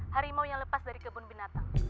harimau yang lepas dari kebun binatang